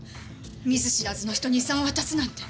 見ず知らずの人に遺産を渡すなんて。